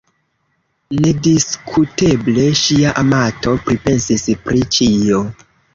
Nediskuteble ŝia amato pripensis pri ĉio.